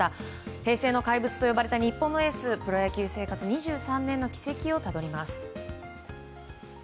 平成の怪物と言われた日本のエースプロ野球生活２３年の軌跡をたどります。